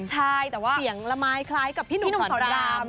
เสียงละมายคล้ายกับพี่หนุ่มสอนราม